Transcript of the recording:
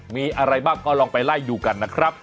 มีอะไรบ้างก็ลองไปไล่ดูกันนะครับ